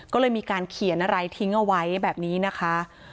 ก็เลยมีการเขียนอะไรทิ้งเอาไว้แบบนี้นะคะ